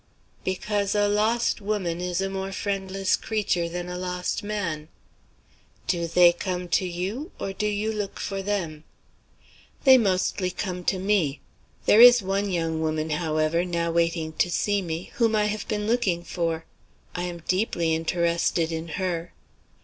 "Because a lost woman is a more friendless creature than a lost man." "Do they come to you? or do you look for them?" "They mostly come to me. There is one young woman, however, now waiting to see me, whom I have been looking for. I am deeply interested in her."